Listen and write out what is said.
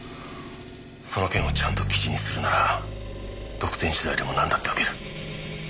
その件をちゃんと記事にするなら独占取材でもなんだって受ける。